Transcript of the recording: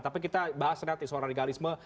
tapi kita bahas nanti soal radikalisme